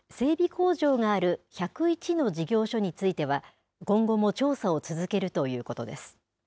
工場がある１０１の事業所については、今後も調査を続けるということです。